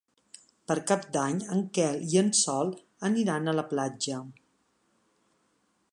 Per Cap d'Any en Quel i en Sol aniran a la platja.